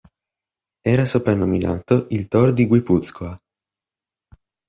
Era soprannominato il "Toro di Guipúzcoa".